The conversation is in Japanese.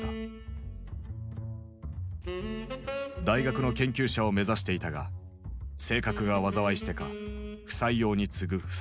大学の研究者を目指していたが性格が災いしてか不採用に次ぐ不採用。